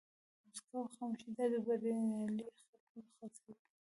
موسکا او خاموشي دا د بریالي خلکو خاصیت دی.